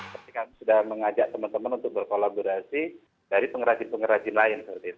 tapi kami sudah mengajak teman teman untuk berkolaborasi dari pengrajin pengrajin lain